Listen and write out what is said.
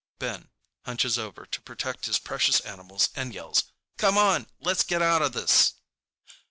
Ben hunches over to protect his precious animals and yells, "Come on! Let's get out of this!"